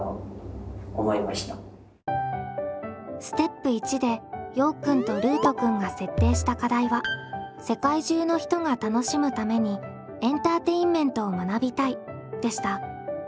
ステップ１でようくんとルートくんが設定した課題は「世界中の人が楽しむためにエンターテインメントを学びたい」でした。